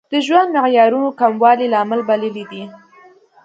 د ژوند معیارونو کموالی لامل بللی دی.